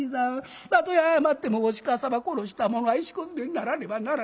たとえ謝ってもお鹿様殺した者は石小詰にならねばならぬ。